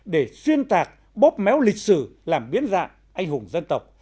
để xuyên tạc bóp méo lịch sử làm biến dạng anh hùng dân tộc